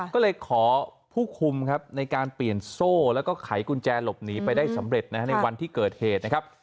ก็เลยขอผู้คุมครับในการเปลี่ยนโซ่แล้วก็ไขกุญแจหลบหนีไปได้สำเร็จในวันที่เกิดเหตุนะครับ